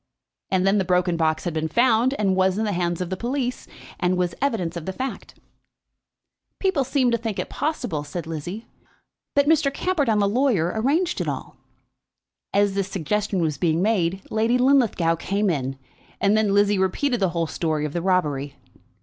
And then the broken box had been found, and was in the hands of the police, and was evidence of the fact. "People seem to think it possible," said Lizzie, "that Mr. Camperdown the lawyer arranged it all." As this suggestion was being made Lady Linlithgow came in, and then Lizzie repeated the whole story of the robbery.